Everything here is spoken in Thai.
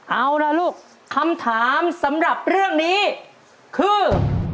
เอาล่ะลูกคำถามสำหรับเรื่องนี้คือ